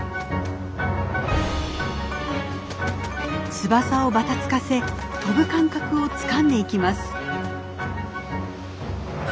翼をばたつかせ飛ぶ感覚をつかんでいきます。